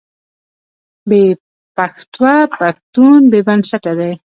بې پښتوه پښتون بې بنسټه دی.